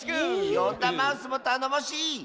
ヨンダマウスもたのもしい！